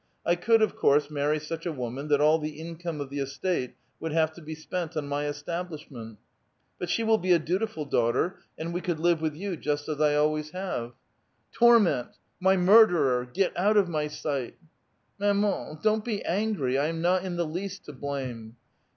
I could, of course, marry such a woman that all the income of the estate would have to be spent on my establishment. But she will be a dutiful daughter, and we could live with you just as I always have." A VITAL QUESTION. 47 *' Torment ! my murderer ! get out of my sight !"'' Martian^ don't be augry ; 1 am not in the least to blame